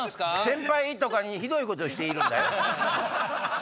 先輩とかにひどいことをしているんだよ。